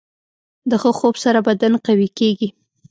د ښه خوب سره بدن قوي کېږي.